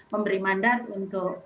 memberi mandat untuk